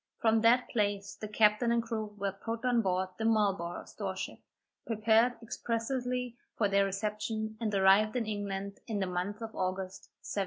From that place the captain and crew were put on board the Marlborough store ship, prepared expressly for their reception, and arrived in England in the month of August, 1760.